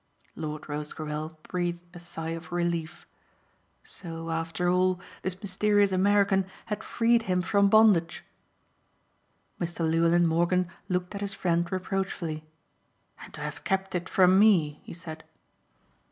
Lord Rosecarrel breathed a sigh of relief. So, after all, this mysterious American had freed him from bondage. Mr. Llewellyn Morgan looked at his friend reproachfully. "And to have kept it from me," he said.